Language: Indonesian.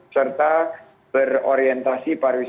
serta berorientasi pariwisata